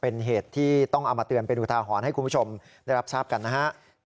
เป็นเหตุที่ต้องเอามาเตือนเป็นอุทาหรณ์ให้คุณผู้ชมได้รับทราบกันนะครับ